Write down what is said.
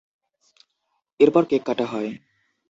এরপর কেক কাটা হয়।